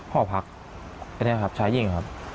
ห้อพักอย่างเงี้ยครับชายหญิงครับ